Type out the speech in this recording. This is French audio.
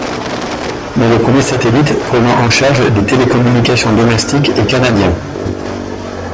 Mais le premier satellite prenant en charge des télécommunications domestiques est canadien.